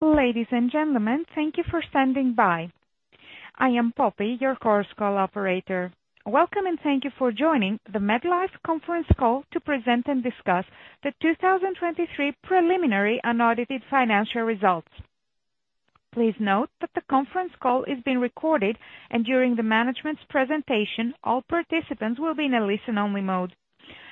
Ladies and gentlemen, thank you for standing by. I am Poppy, your conference call operator. Welcome, and thank you for joining the MedLife conference call to present and discuss the 2023 preliminary and audited financial results. Please note that the conference call is being recorded, and during the management's presentation, all participants will be in a listen-only mode.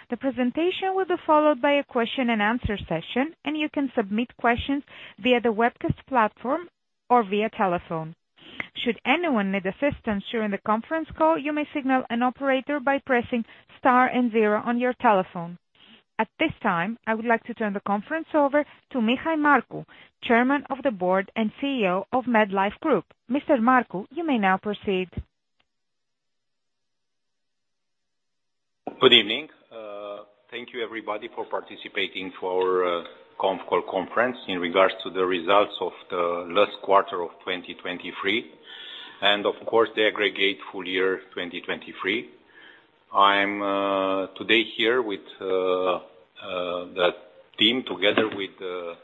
The presentation will be followed by a question-and-answer session, and you can submit questions via the webcast platform or via telephone. Should anyone need assistance during the conference call, you may signal an operator by pressing star and zero on your telephone. At this time, I would like to turn the conference over to Mihail Marcu, Chairman of the Board and CEO of MedLife Group. Mr. Marcu, you may now proceed. Good evening. Thank you, everybody, for participating in our conference call in regards to the results of the last quarter of 2023 and, of course, the aggregate full year 2023. I'm today here with the team together with the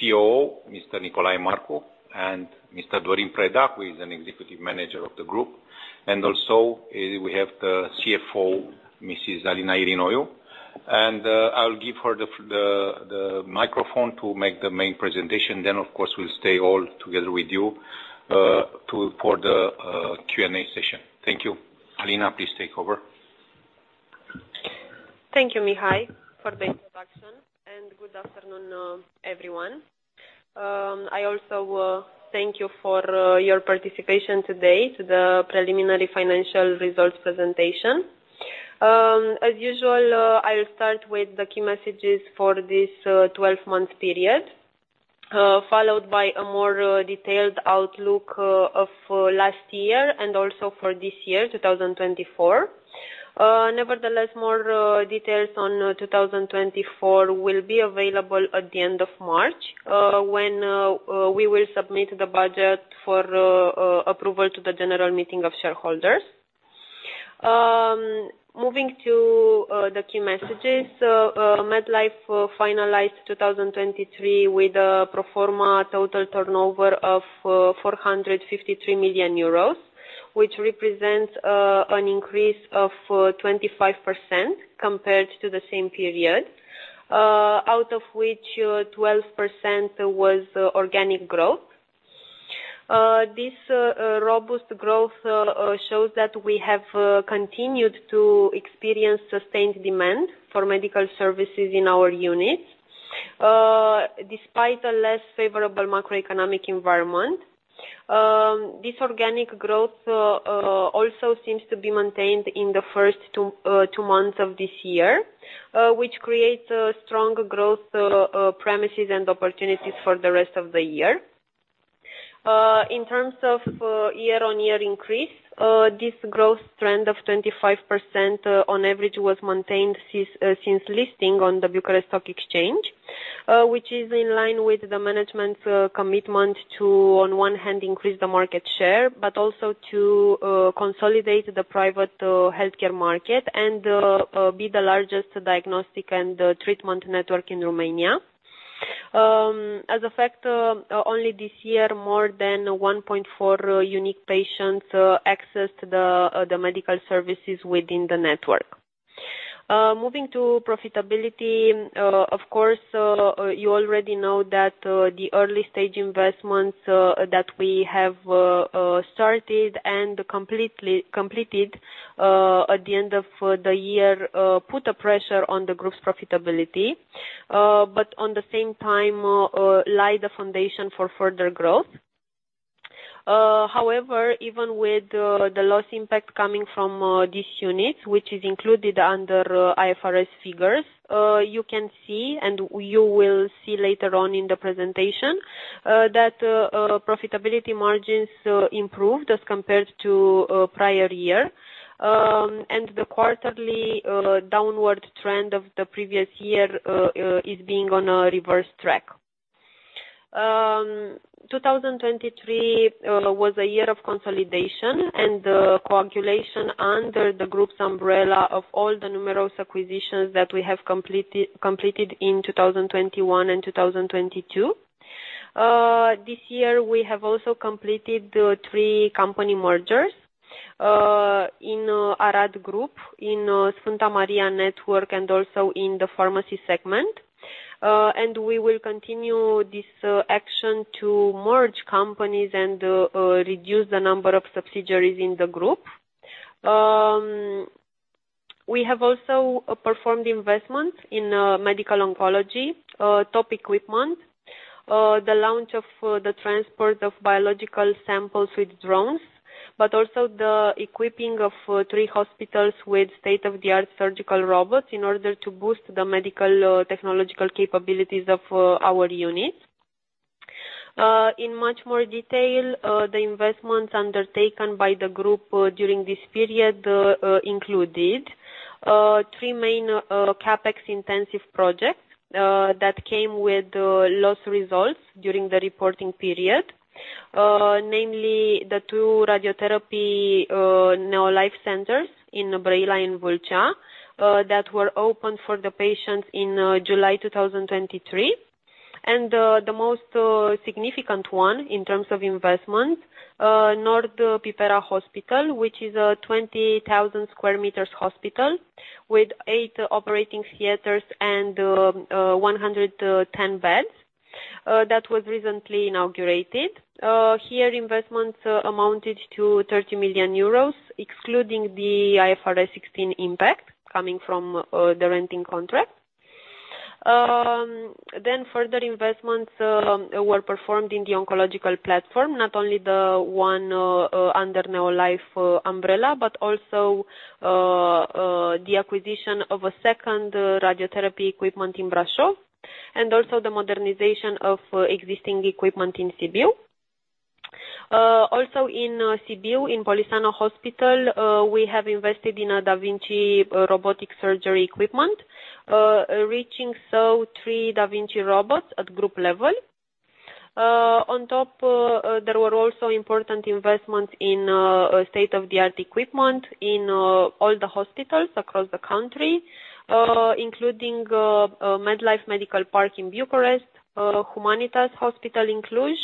COO, Mr. Nicolae Marcu, and Mr. Dorin Preda, who is an executive manager of the group. And also, we have the CFO, Mrs. Alina Irinoiu. And, I'll give her the microphone to make the main presentation. Then, of course, we'll stay all together with you for the Q&A session. Thank you. Alina, please take over. Thank you, Mihail, for the introduction. Good afternoon, everyone. I also thank you for your participation today to the preliminary financial results presentation. As usual, I'll start with the key messages for this 12-month period, followed by a more detailed outlook of last year and also for this year, 2024. Nevertheless, more details on 2024 will be available at the end of March, when we will submit the budget for approval to the general meeting of shareholders. Moving to the key messages, MedLife finalized 2023 with a pro forma total turnover of 453 million euros, which represents an increase of 25% compared to the same period, out of which 12% was organic growth. This robust growth shows that we have continued to experience sustained demand for medical services in our units, despite a less favorable macroeconomic environment. This organic growth also seems to be maintained in the first two months of this year, which creates strong growth premises and opportunities for the rest of the year. In terms of year-on-year increase, this growth trend of 25%, on average, was maintained since listing on the Bucharest Stock Exchange, which is in line with the management's commitment to, on one hand, increase the market share but also to consolidate the private healthcare market and be the largest diagnostic and treatment network in Romania. As a fact, only this year, more than 1.4 unique patients accessed the medical services within the network. Moving to profitability, of course, you already know that the early-stage investments that we have started and completely completed at the end of the year put a pressure on the group's profitability, but on the same time, laid the foundation for further growth. However, even with the loss impact coming from these units, which is included under IFRS figures, you can see and you will see later on in the presentation that profitability margins improved as compared to prior year. And the quarterly downward trend of the previous year is being on a reverse track. 2023 was a year of consolidation and coagulation under the group's umbrella of all the numerous acquisitions that we have completed completed in 2021 and 2022. This year, we have also completed three company mergers in Arad Group, in Sfânta Maria Network, and also in the pharmacy segment. And we will continue this action to merge companies and reduce the number of subsidiaries in the group. We have also performed investments in medical oncology top equipment, the launch of the transport of biological samples with drones, but also the equipping of three hospitals with state-of-the-art surgical robots in order to boost the medical technological capabilities of our units. In much more detail, the investments undertaken by the group during this period included three main CapEx-intensive projects that came with loss results during the reporting period, namely the two radiotherapy Neolife centers in Brăila and Vâlcea that were opened for the patients in July 2023. The most significant one in terms of investments, Nord Pipera Hospital, which is a 20,000-sq m hospital with eight operating theaters and 110 beds, was recently inaugurated. Here, investments amounted to 30 million euros, excluding the IFRS 16 impact coming from the renting contract. Then further investments were performed in the oncological platform, not only the one under Neolife umbrella but also the acquisition of a second radiotherapy equipment in Brașov and also the modernization of existing equipment in Sibiu. Also in Sibiu, in Polisano Hospital, we have invested in a da Vinci robotic surgery equipment, reaching so three da Vinci robots at group level. On top, there were also important investments in state-of-the-art equipment in all the hospitals across the country, including MedLife Medical Park in Bucharest, Humanitas Hospital in Cluj,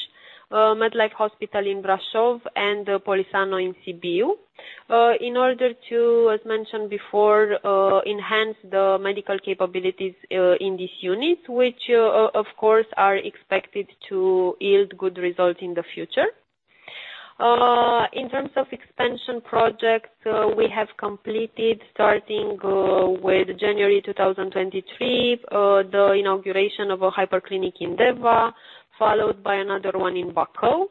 MedLife Hospital in Brașov, and Polisano in Sibiu, in order to, as mentioned before, enhance the medical capabilities in these units, which, of course, are expected to yield good results in the future. In terms of expansion projects, we have completed, starting with January 2023, the inauguration of a hyperclinic in Deva, followed by another one in Bacău.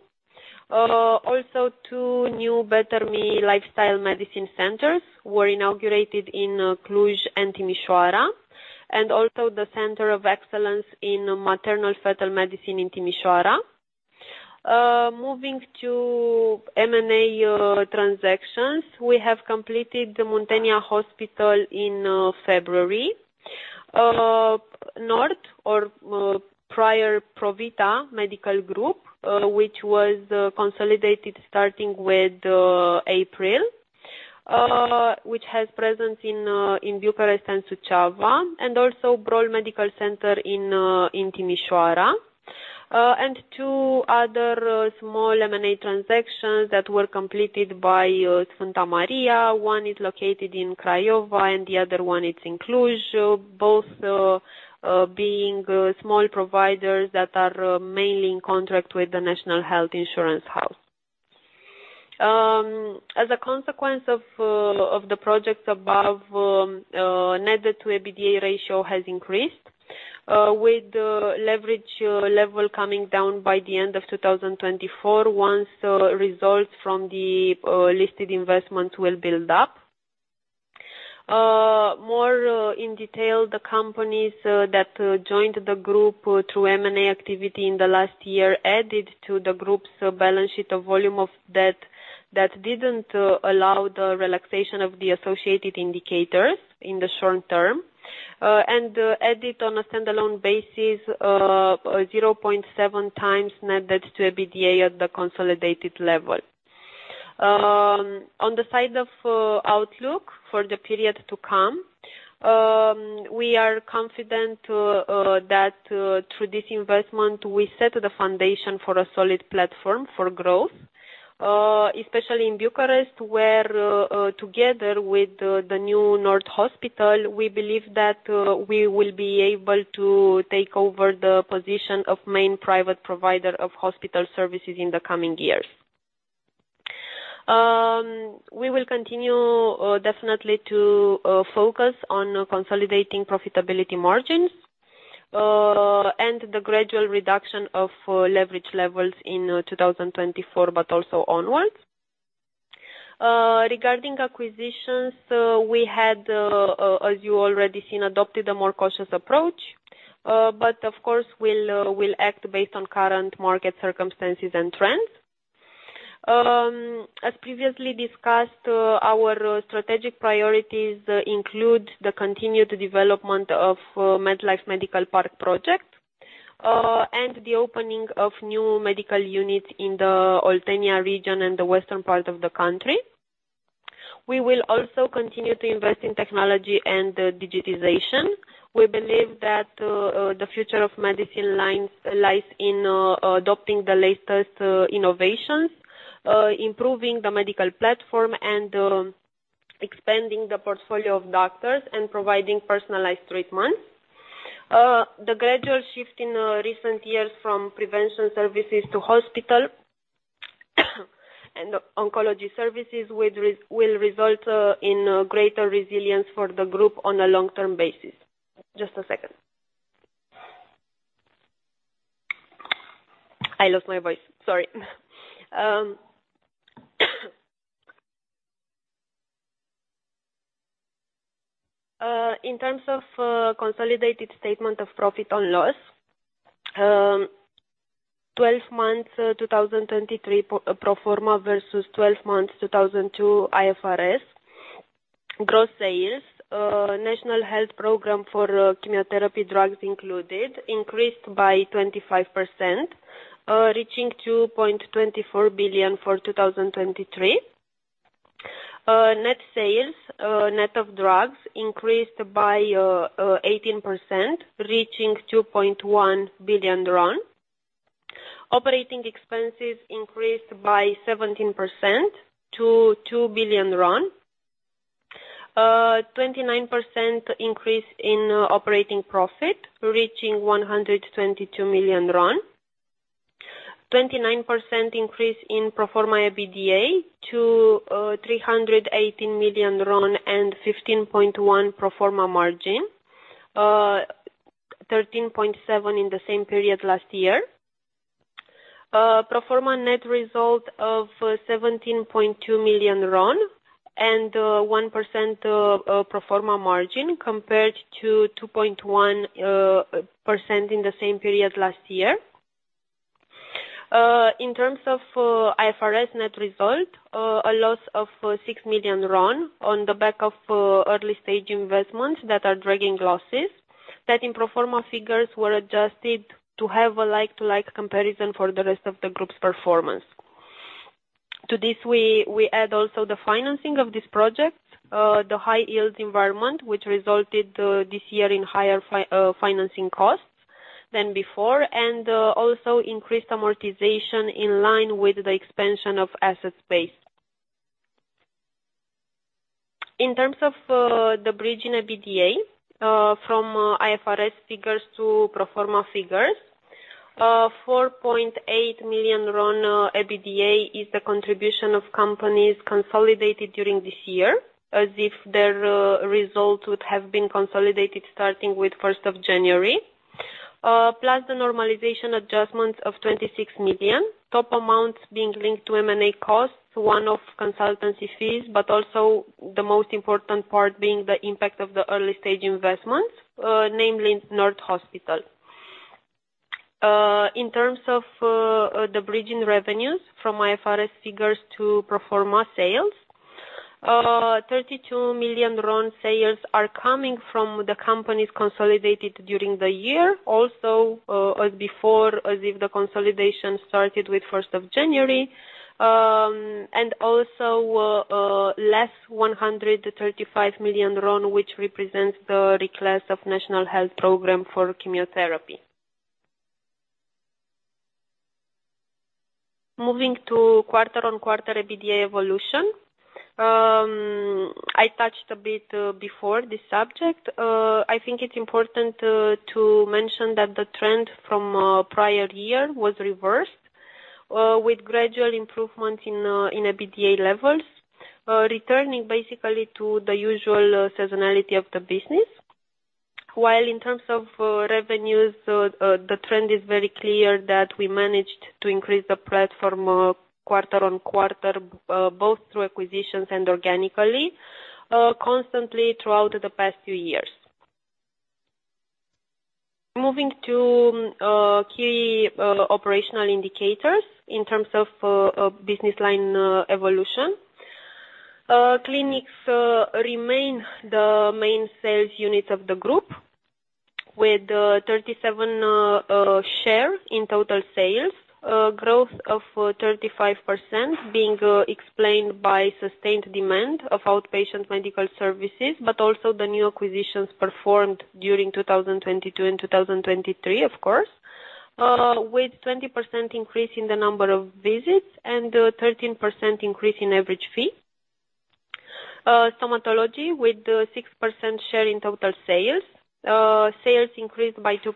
Also, two new BetterMe lifestyle medicine centers were inaugurated in Cluj and Timișoara, and also the Center of Excellence in Maternal-Fetal Medicine in Timișoara. Moving to M&A transactions, we have completed the Muntenia Hospital in February, Nord, our prior Provita Medical Group, which was consolidated starting with April, which has presence in Bucharest and Suceava, and also Brol Medical Center in Timișoara. And two other small M&A transactions that were completed by Sfânta Maria. One is located in Craiova, and the other one is in Cluj, both being small providers that are mainly in contract with the National Health Insurance House. As a consequence of the projects above, net debt to EBITDA ratio has increased, with leverage level coming down by the end of 2024 once results from the listed investments will build up. More in detail, the companies that joined the group through M&A activity in the last year added to the group's balance sheet a volume of debt that didn't allow the relaxation of the associated indicators in the short term, and added, on a standalone basis, 0.7x net debt to EBITDA at the consolidated level. On the side of outlook for the period to come, we are confident that through this investment we set the foundation for a solid platform for growth, especially in Bucharest where, together with the new Nord Hospital, we believe that we will be able to take over the position of main private provider of hospital services in the coming years. We will continue definitely to focus on consolidating profitability margins and the gradual reduction of leverage levels in 2024 but also onwards. Regarding acquisitions, we had, as you already seen, adopted a more cautious approach, but of course, we'll, we'll act based on current market circumstances and trends. As previously discussed, our strategic priorities include the continued development of MedLife Medical Park project, and the opening of new medical units in the Oltenia region and the western part of the country. We will also continue to invest in technology and digitization. We believe that the future of medicine lies in adopting the latest innovations, improving the medical platform, and expanding the portfolio of doctors and providing personalized treatments. The gradual shift in recent years from prevention services to hospital and oncology services would result in greater resilience for the group on a long-term basis. Just a second. I lost my voice. Sorry. In terms of consolidated statement of profit or loss, 12 months 2023 pro forma versus 12 months 2022 IFRS, gross sales National Health Program for chemotherapy drugs included increased by 25%, reaching RON 2.24 billion for 2023. Net sales net of drugs increased by 18% reaching RON 2.1 billion. Operating expenses increased by 17% to RON 2 billion. 29% increase in operating profit reaching RON 122 million. 29% increase in pro forma EBITDA to RON 318 million and 15.1% pro forma margin, 13.7% in the same period last year. Pro forma net result of RON 17.2 million and 1% pro forma margin compared to 2.1% in the same period last year. In terms of IFRS net result, a loss of RON 6 million on the back of early-stage investments that are dragging losses that in pro forma figures were adjusted to have a like-to-like comparison for the rest of the group's performance. To this, we add also the financing of this project, the high-yield environment, which resulted this year in higher financing costs than before, and also increased amortization in line with the expansion of asset base. In terms of the bridge in EBITDA from IFRS figures to pro forma figures, RON 4.8 million EBITDA is the contribution of companies consolidated during this year as if their result would have been consolidated starting with 1st of January, plus the normalization adjustments of RON 26 million, top amounts being linked to M&A costs, one-off consultancy fees, but also the most important part being the impact of the early-stage investments, namely Nord Hospital. In terms of the bridge in revenues from IFRS figures to pro forma sales, RON 32 million sales are coming from the companies consolidated during the year, also as if the consolidation started with 1st of January, and also less RON 135 million, which represents the request of National Health Program for chemotherapy. Moving to quarter-on-quarter EBITDA evolution, I touched a bit before this subject. I think it's important to mention that the trend from prior year was reversed, with gradual improvements in EBITDA levels, returning basically to the usual seasonality of the business. While in terms of revenues, the trend is very clear that we managed to increase the platform quarter-on-quarter, both through acquisitions and organically, constantly throughout the past few years. Moving to key operational indicators in terms of business line evolution, clinics remain the main sales units of the group with 37% share in total sales, growth of 35% being explained by sustained demand of outpatient medical services but also the new acquisitions performed during 2022 and 2023, of course, with 20% increase in the number of visits and 13% increase in average fee. Stomatology with 6% share in total sales, sales increased by 2%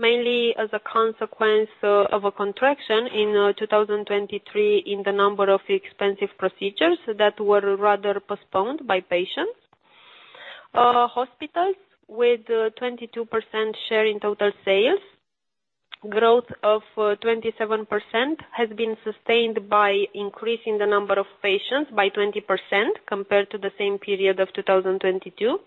mainly as a consequence of a contraction in 2023 in the number of expensive procedures that were rather postponed by patients. Hospitals with 22% share in total sales, growth of 27% has been sustained by increasing the number of patients by 20% compared to the same period of 2022,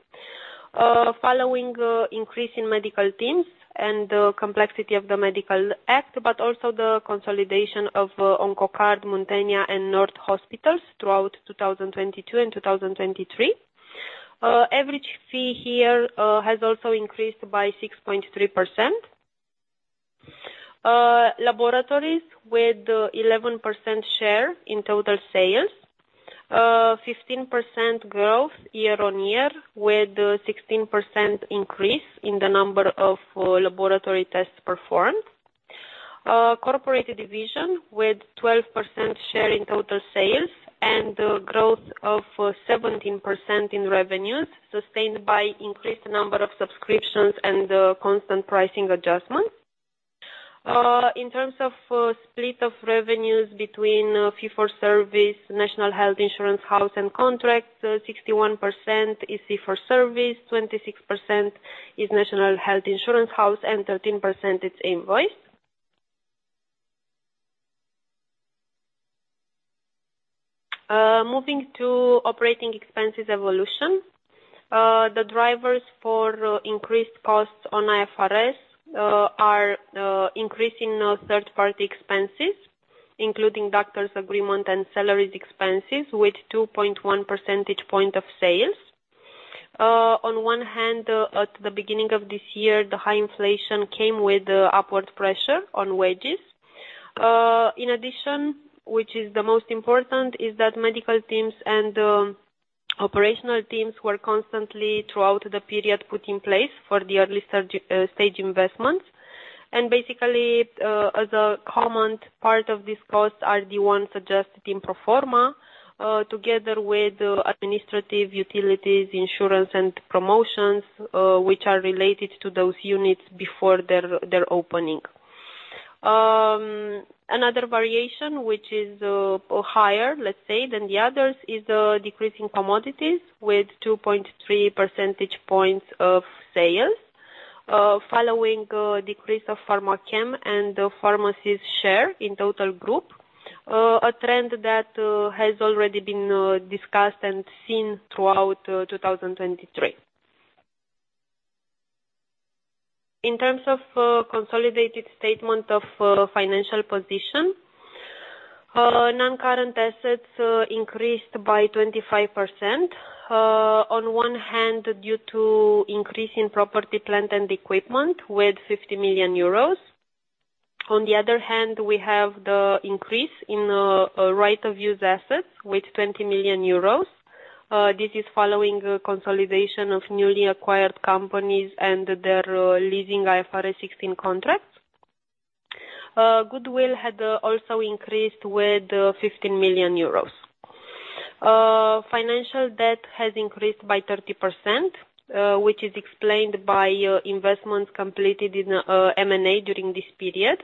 following increase in medical teams and complexity of the medical act but also the consolidation of OncoCard, Muntenia, and Nord Hospitals throughout 2022 and 2023. Average fee here has also increased by 6.3%. Laboratories with 11% share in total sales, 15% growth year on year with 16% increase in the number of laboratory tests performed. Corporate division with 12% share in total sales and growth of 17% in revenues sustained by increased number of subscriptions and constant pricing adjustments. In terms of the split of revenues between Fee for Service, National Health Insurance House, and contract, 61% is Fee for Service, 26% is National Health Insurance House, and 13% is invoice. Moving to operating expenses evolution, the drivers for increased costs on IFRS are increasing third-party expenses including doctors' agreement and salaries expenses with 2.1 percentage point of sales. On one hand, at the beginning of this year, the high inflation came with upward pressure on wages. In addition, which is the most important, is that medical teams and operational teams were constantly throughout the period put in place for the early-stage stage investments. Basically, as a common part of these costs are the ones adjusted in Pro Forma, together with administrative utilities, insurance, and promotions, which are related to those units before their opening. Another variation, which is higher, let's say, than the others, is decrease in commodities with 2.3 percentage points of sales, following decrease of Pharmachem and Pharmacies share in total group, a trend that has already been discussed and seen throughout 2023. In terms of consolidated statement of financial position, non-current assets increased by 25%, on one hand due to increase in property, plant, and equipment with 50 million euros. On the other hand, we have the increase in right-of-use assets with 20 million euros. This is following consolidation of newly acquired companies and their leasing IFRS 16 contracts. Goodwill had also increased with 15 million euros. Financial debt has increased by 30%, which is explained by investments completed in M&A during this period,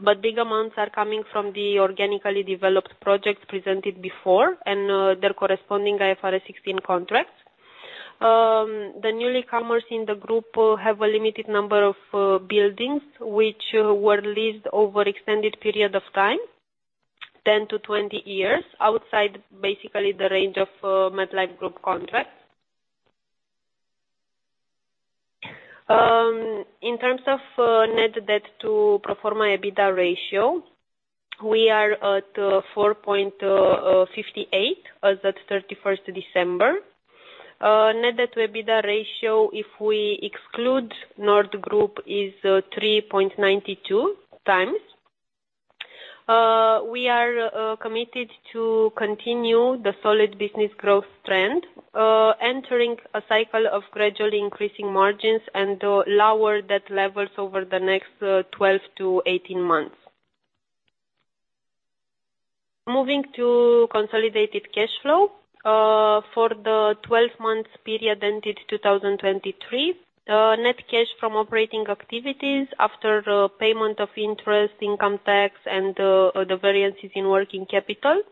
but big amounts are coming from the organically developed projects presented before and their corresponding IFRS 16 contracts. The newcomers in the group have a limited number of buildings which were leased over extended period of time, 10-20 years, outside basically the range of MedLife Group contracts. In terms of net debt to pro forma EBITDA ratio, we are at 4.58 as of 31st December. Net debt to EBITDA ratio, if we exclude Nord Group, is 3.92 times. We are committed to continue the solid business growth trend, entering a cycle of gradually increasing margins and lower debt levels over the next 12-18 months. Moving to consolidated cash flow, for the 12-month period ended 2023, net cash from operating activities after payment of interest, income tax, and the variances in working capital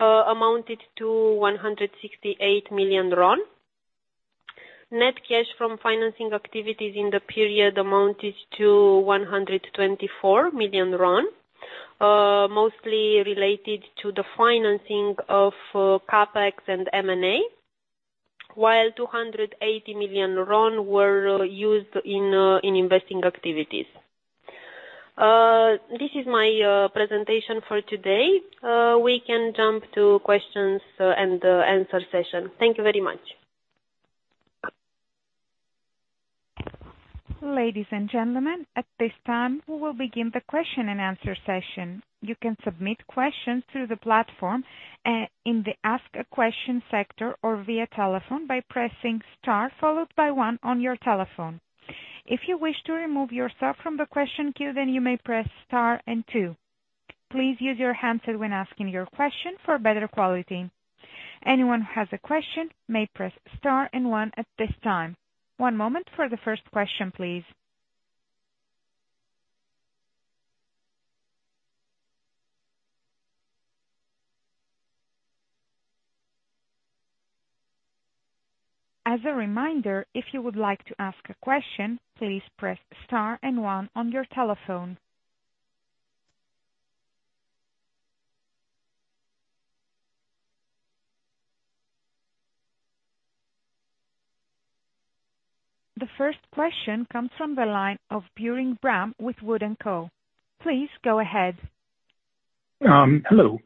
amounted to RON 168 million. Net cash from financing activities in the period amounted to RON 124 million, mostly related to the financing of CapEx and M&A, while RON 280 million were used in investing activities. This is my presentation for today. We can jump to questions and answer session. Thank you very much. Ladies and gentlemen, at this time, we will begin the question and answer session. You can submit questions through the platform, in the Ask a Question sector or via telephone by pressing star followed by one on your telephone. If you wish to remove yourself from the question queue, then you may press star and two. Please use your handset when asking your question for better quality. Anyone who has a question may press star and 1 at this time. One moment for the first question, please. As a reminder, if you would like to ask a question, please press star and 1 on your telephone. The first question comes from the line of Bram Buring with Wood & Company. Please go ahead. Hello.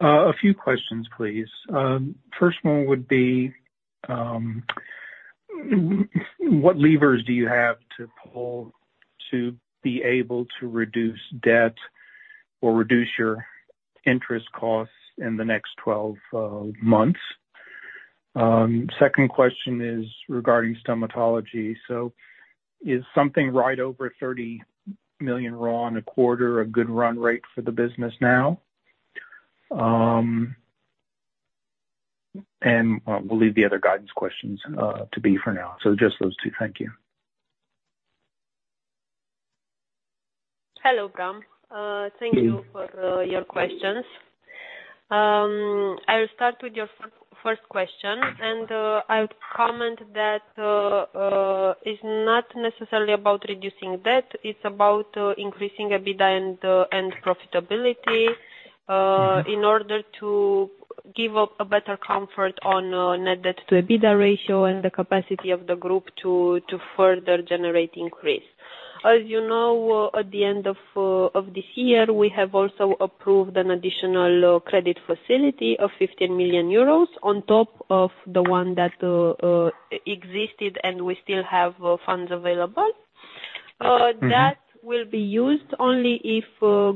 A few questions, please. First one would be, what levers do you have to pull to be able to reduce debt or reduce your interest costs in the next 12 months? Second question is regarding stomatology. So is something right over RON 30 million a quarter a good run rate for the business now? And, we'll leave the other guidance questions to be for now. So just those two. Thank you. Hello, Bram. Thank you for your questions. I'll start with your first question, and I'll comment that it's not necessarily about reducing debt. It's about increasing EBITDA and profitability, in order to give a better comfort on net debt to EBITDA ratio and the capacity of the group to further generate increase. As you know, at the end of this year, we have also approved an additional credit facility of 15 million euros on top of the one that existed and we still have funds available that will be used only if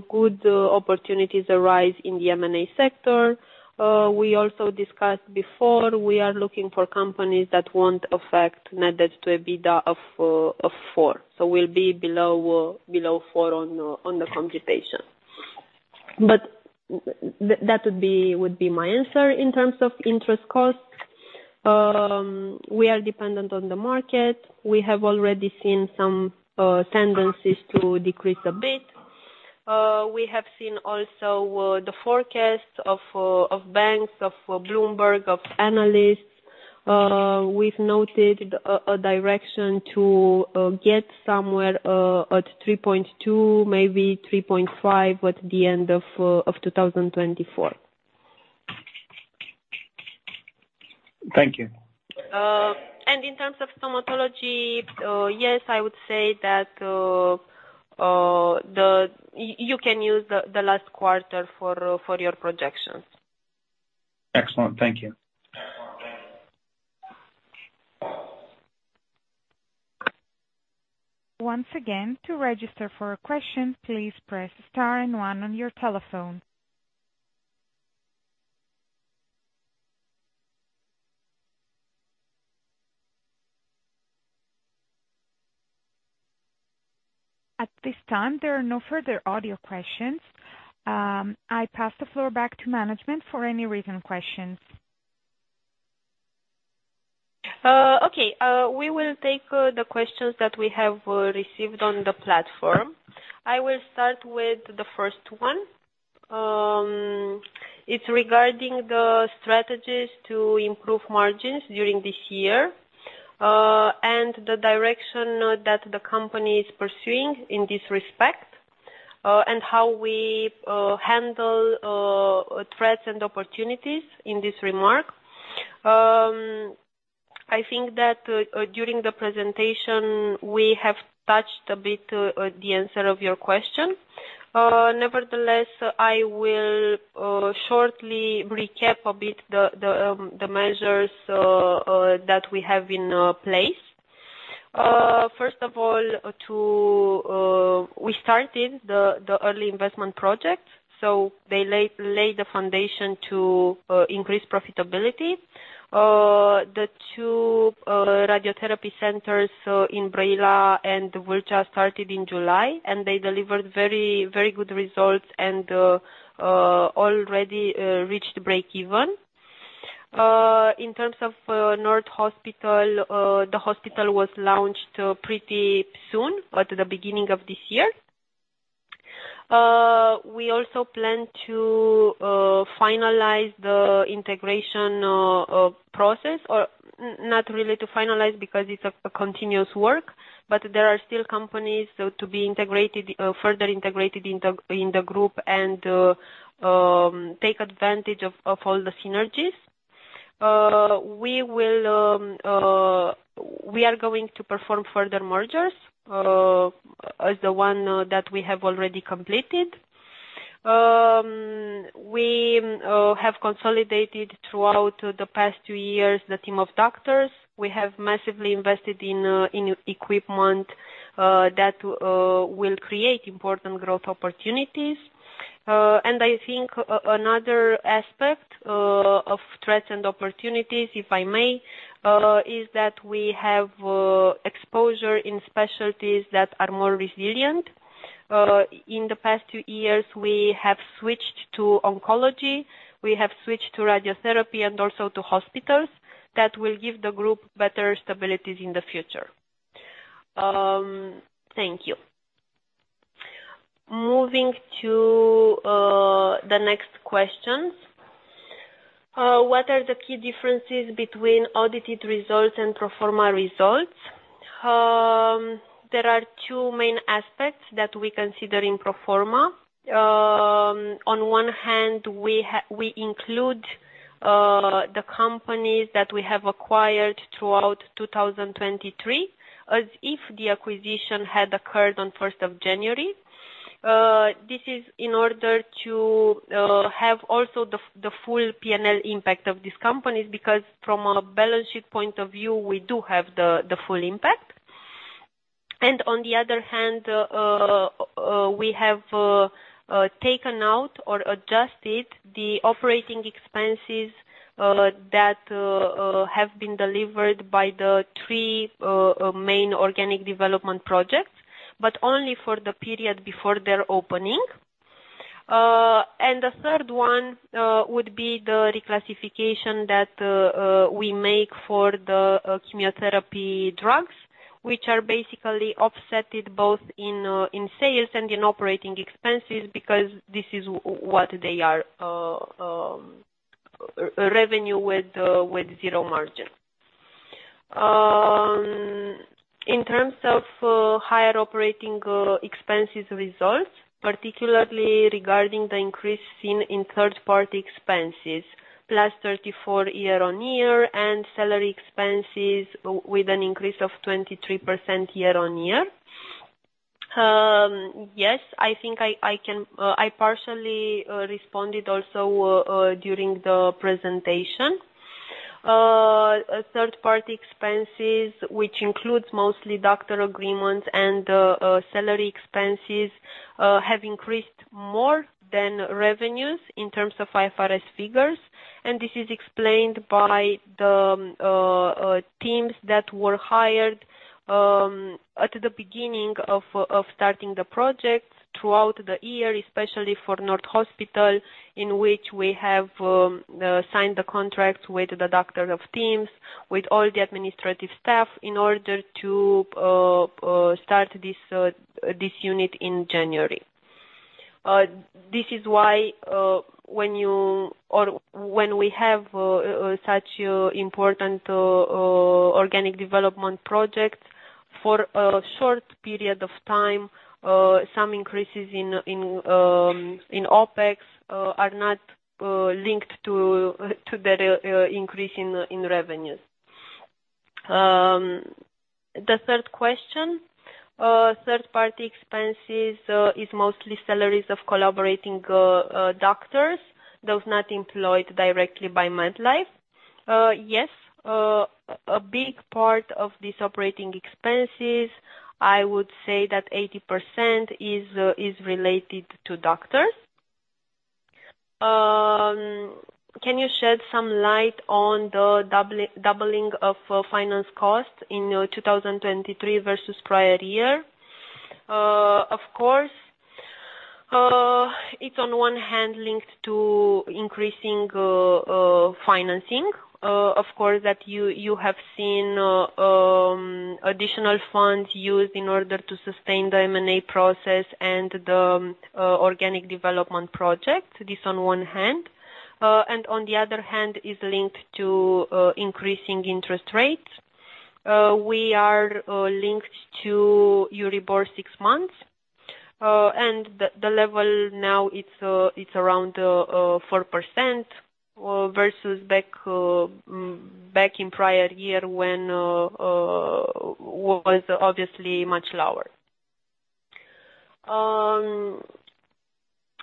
good opportunities arise in the M&A sector. We also discussed before, we are looking for companies that won't affect net debt to EBITDA of 4, so we'll be below 4 on the computation. But that would be my answer in terms of interest costs. We are dependent on the market. We have already seen some tendencies to decrease a bit. We have seen also the forecasts of banks, of Bloomberg, of analysts. We've noted a direction to get somewhere at 3.2, maybe 3.5 at the end of 2024. Thank you. And in terms of stomatology, yes, I would say that you can use the last quarter for your projections. Excellent. Thank you. Once again, to register for a question, please press star and 1 on your telephone. At this time, there are no further audio questions. I pass the floor back to management for any recent questions. Okay. We will take the questions that we have received on the platform. I will start with the first one. It's regarding the strategies to improve margins during this year, and the direction that the company is pursuing in this respect, and how we handle threats and opportunities in this remark. I think that during the presentation, we have touched a bit the answer of your question. Nevertheless, I will shortly recap a bit the measures that we have in place. First of all, we started the early investment project, so they laid the foundation to increase profitability. The two radiotherapy centers in Brăila and Vâlcea started in July, and they delivered very good results and already reached break-even. In terms of Nord Hospital, the hospital was launched pretty soon at the beginning of this year. We also plan to finalize the integration process or not really to finalize because it's a continuous work, but there are still companies to be integrated, further integrated into the group and take advantage of all the synergies. We are going to perform further mergers, as the one that we have already completed. We have consolidated throughout the past two years the team of doctors. We have massively invested in equipment that will create important growth opportunities. I think another aspect of threats and opportunities, if I may, is that we have exposure in specialties that are more resilient. In the past two years, we have switched to oncology. We have switched to radiotherapy and also to hospitals that will give the group better stabilities in the future. Thank you. Moving to the next questions. What are the key differences between audited results and pro forma results? There are two main aspects that we consider in pro forma. On one hand, we include the companies that we have acquired throughout 2023 as if the acquisition had occurred on 1st of January. This is in order to have also the full P&L impact of these companies because from a balance sheet point of view, we do have the full impact. And on the other hand, we have taken out or adjusted the operating expenses that have been delivered by the three main organic development projects, but only for the period before their opening. And the third one would be the reclassification that we make for the chemotherapy drugs, which are basically offset both in sales and in operating expenses because this is what they are, revenue with zero margin. In terms of higher operating expenses results, particularly regarding the increase seen in third-party expenses plus 34% year-on-year and salary expenses with an increase of 23% year-on-year, yes, I think I can partially responded also during the presentation. Third-party expenses, which include mostly doctor agreements and salary expenses, have increased more than revenues in terms of IFRS figures, and this is explained by the teams that were hired at the beginning of starting the project throughout the year, especially for Nord Hospital in which we have signed the contracts with the doctors of teams, with all the administrative staff in order to start this unit in January. This is why, when you or we have such important organic development projects for a short period of time, some increases in OpEx are not linked to the increase in revenues. The third question, third-party expenses, is mostly salaries of collaborating doctors, those not employed directly by MedLife. Yes, a big part of these operating expenses, I would say that 80% is related to doctors. Can you shed some light on the doubling of finance costs in 2023 versus prior year? Of course. It's on one hand linked to increasing financing. Of course that you, you have seen additional funds used in order to sustain the M&A process and the organic development project, this on one hand. And on the other hand is linked to increasing interest rates. We are linked to Euribor six months. And the level now it's around 4%, versus back in prior year when was obviously much lower.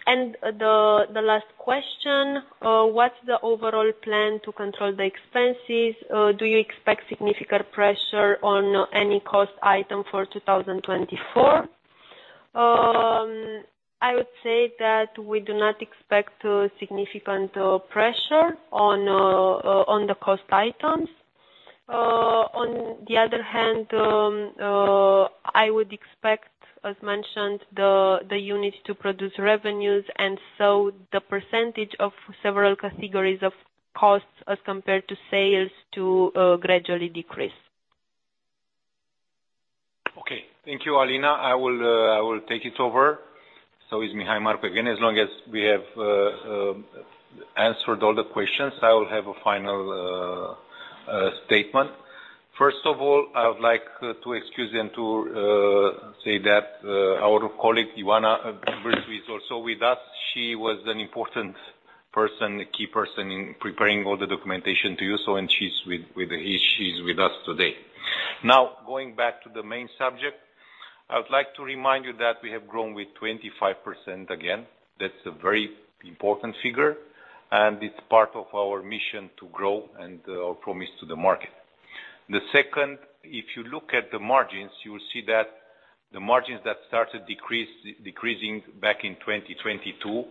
And the last question, what's the overall plan to control the expenses? Do you expect significant pressure on any cost item for 2024? I would say that we do not expect significant pressure on the cost items. On the other hand, I would expect, as mentioned, the unit to produce revenues and so the percentage of several categories of costs as compared to sales to gradually decrease. Okay. Thank you, Alina. I will take it over. So it's Mihail Marcu again. As long as we have answered all the questions, I will have a final statement. First of all, I would like to excuse and to say that our colleague Ioana Bîrșu is also with us. She was an important person, key person in preparing all the documentation to you, so and she's with us today. Now, going back to the main subject, I would like to remind you that we have grown with 25% again. That's a very important figure, and it's part of our mission to grow and our promise to the market. The second, if you look at the margins, y ou'll see that the margins that started decreasing back in 2022,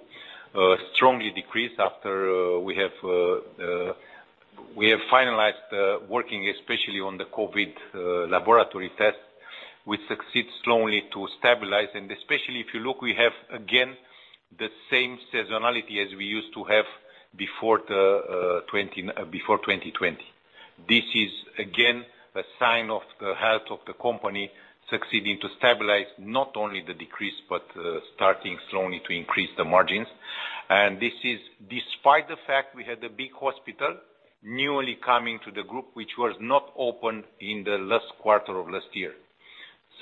strongly decreased after we have finalized working especially on the COVID laboratory tests. We succeed slowly to stabilize, and especially if you look, we have again the same seasonality as we used to have before 2020. This is again a sign of the health of the company succeeding to stabilize not only the decrease but starting slowly to increase the margins. And this is despite the fact we had a big hospital newly coming to the group which was not open in the last quarter of last year.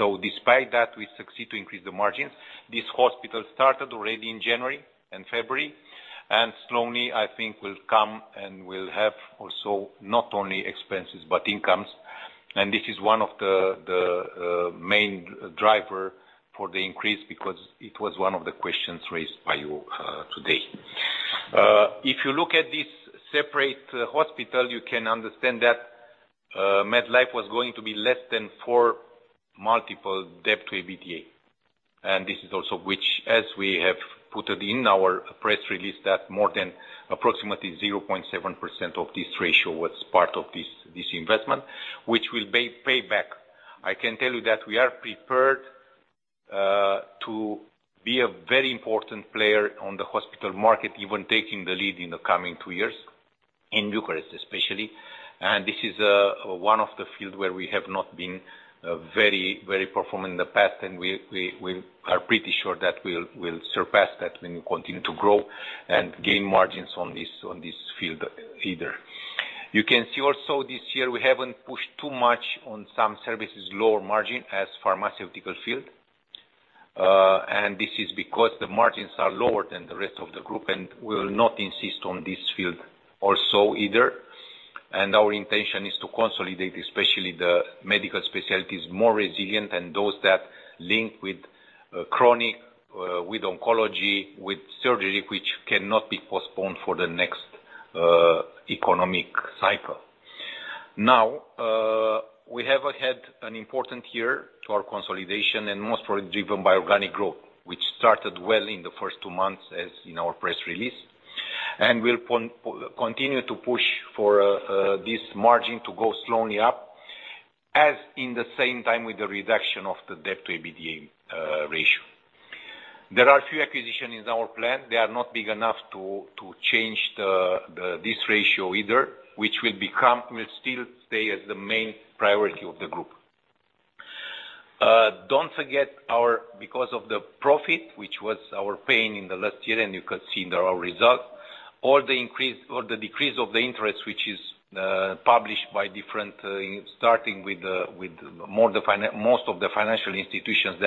So despite that, we succeed to increase the margins. This hospital started already in January and February, and slowly, I think, will come and will have also not only expenses but incomes. This is one of the main driver for the increase because it was one of the questions raised by you today. If you look at this separate hospital, you can understand that MedLife was going to be less than 4x debt to EBITDA. This is also which, as we have put it in our press release, that more than approximately 0.7% of this ratio was part of this investment, which will be paid back. I can tell you that we are prepared to be a very important player on the hospital market, even taking the lead in the coming two years, in Bucharest especially. This is one of the fields where we have not been very, very performing in the past, and we are pretty sure that we'll surpass that when we continue to grow and gain margins on this field, either. You can see also this year we haven't pushed too much on some services lower margin as pharmaceutical field. And this is because the margins are lower than the rest of the group, and we will not insist on this field also either. Our intention is to consolidate especially the medical specialties more resilient and those that link with chronic, with oncology, with surgery which cannot be postponed for the next economic cycle. Now, we have ahead an important year to our consolidation and most probably driven by organic growth, which started well in the first two months as in our press release. We'll continue to push for this margin to go slowly up as in the same time with the reduction of the debt to EBITDA ratio. There are few acquisitions in our plan. They are not big enough to change this ratio either, which will still stay as the main priority of the group. Don't forget our because of the profit which was our pain in the last year, and you could see in our results all the increase or the decrease of the interest which is published by different starting with most of the financial institutions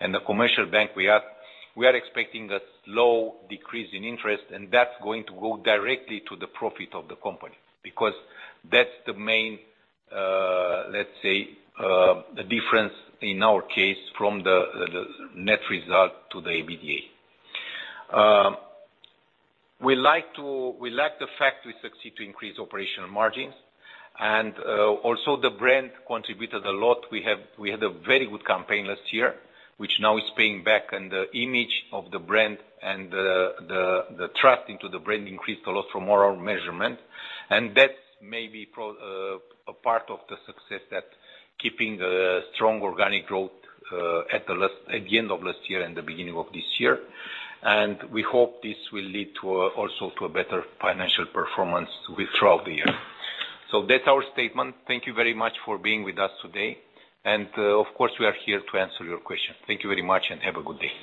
and the commercial banks we have. We are expecting a slow decrease in interest, and that's going to go directly to the profit of the company because that's the main, let's say, the difference in our case from the net result to the EBITDA. We like the fact we succeed to increase operational margins, and also the brand contributed a lot. We had a very good campaign last year which now is paying back, and the image of the brand and the trust into the brand increased a lot from our measurement. That may be part of the success that keeping the strong organic growth at the end of last year and the beginning of this year. We hope this will lead to also to a better financial performance throughout the year. So that's our statement. Thank you very much for being with us today. And, of course, we are here to answer your questions. Thank you very much and have a good day.